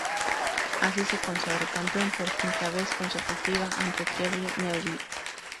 Así, se consagró campeón por quinta vez consecutiva ante Thierry Neuville.